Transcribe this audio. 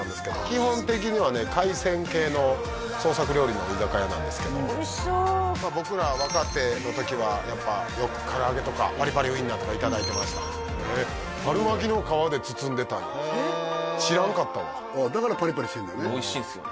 基本的にはね海鮮系の創作料理の居酒屋なんですけどおいしそう僕ら若手の時はやっぱよく唐揚げとかパリパリウィンナーとかいただいてました春巻きの皮で包んでたんや知らんかったわだからパリパリしてんだねおいしいんすよ